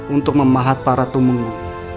untuk memahat para tumungi